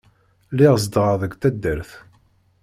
Lliɣ zedɣeɣ deg taddart.